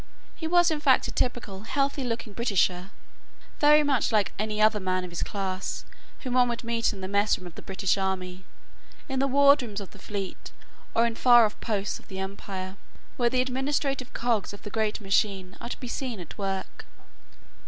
He was in fact a typical, healthy looking Britisher, very much like any other man of his class whom one would meet in the mess room of the British army, in the wardrooms of the fleet, or in the far off posts of the Empire, where the administrative cogs of the great machine are to be seen at work.